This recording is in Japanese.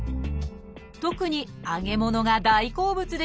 特に揚げ物が大好物でした